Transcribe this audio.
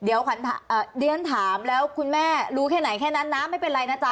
เดี๋ยวเรียนถามแล้วคุณแม่รู้แค่ไหนแค่นั้นนะไม่เป็นไรนะจ๊